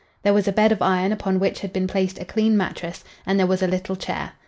There was a bed of iron upon which had been placed a clean mattress, and there was a little chair.